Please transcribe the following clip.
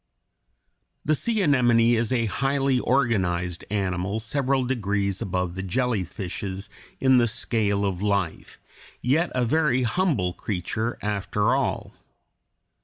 The sea anemone is a highly organized animal several degrees above the jellyfishes in the scale of life, yet a very humble creature after all.